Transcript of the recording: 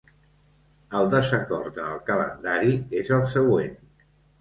El desacord en el calendari és el següent.